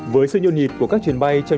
với sự nhộn nhịp của các chuyến bay